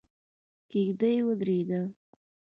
کېږدۍ ودرېده.